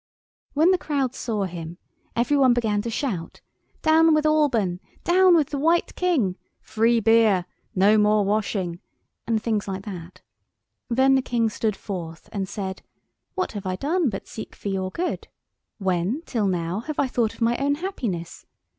When the crowd saw him every one began to shout: "Down with Alban!" "Down with the White King!" "Free Beer!" "No more washing!" and things like that. Then the King stood forth and said— "What have I done but seek for your good? When, till now, have I thought of my own happiness?